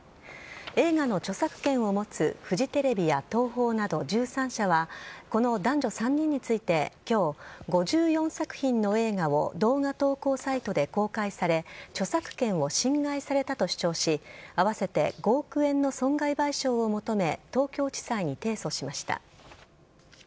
映画の著作権を持つフジテレビや東宝など１３社はこの男女３人について今日５４作品の映画を動画投稿サイトで公開され著作権を侵害されたと主張し合わせて５億円の損害賠償を求め東京地裁に提訴しました。